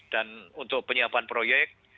dan untuk penyiapan proyek